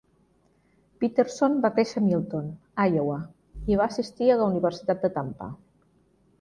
Peterson va créixer a Milton (Iowa) i va assistir a la Universitat de Tampa.